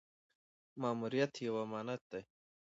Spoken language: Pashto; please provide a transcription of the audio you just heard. ماموریت یو امانت دی